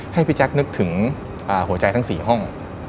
ให้พี่แจ๊คนึกถึงหัวใจทั้ง๔ห้อง